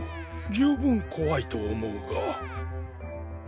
十分怖いと思うが。